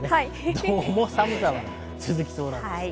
どうも寒さは続きそうです。